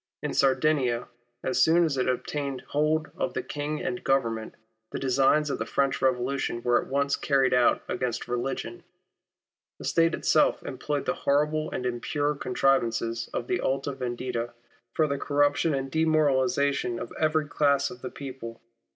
In Sardinia, as soon as it obtained hold of the King and Government, the designs of the French Revolution were at once carried out against religion The State itself employed the horrible and impure contrivances of the Alta Vendita for the 108 WAR OF ANTICHRIST AVITH THE CHURCH. corruption and demoralisation of every class of the people.